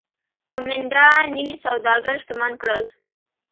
کومېنډا نوي سوداګر شتمن کړل